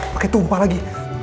pakai tumpah lagi